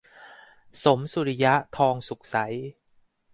สมสุริยะ ทองสุกใส